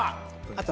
あと